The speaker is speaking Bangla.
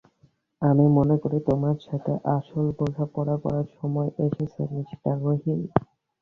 আমি মনে করি তোমার সাথে আসল বোঝাপড়া করার সময় এসেছে, মিঃ রাইম।